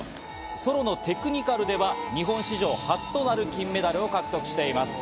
ソロのテクニカルでは日本史上初となる金メダルを獲得しています。